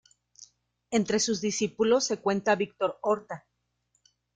Entre sus discípulos se cuenta Victor Horta.